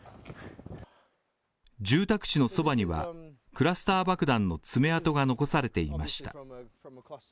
住宅地のそばにはクラスター爆弾の爪痕が残されていました